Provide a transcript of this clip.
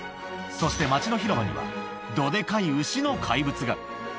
そして町の広場には、どでかい牛の怪物が。